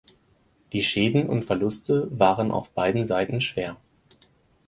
Die Schäden und Verluste waren auf beiden Seiten schwer.